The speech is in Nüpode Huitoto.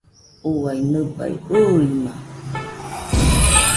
ua nɨbai ɨima!